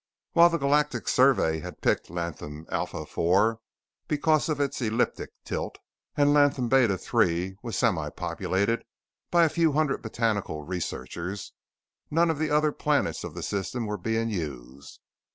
While the galactic survey had picked Latham Alpha IV because of its ecliptic tilt, and Latham Beta III was semipopulated by a few hundred botanical researchers, none of the other planets of the system were being used.